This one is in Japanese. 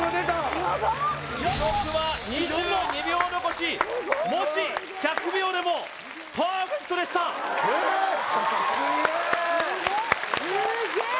記録は２２秒残しもし１００秒でもパーフェクトでした・すげー！